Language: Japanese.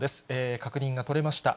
確認が取れました。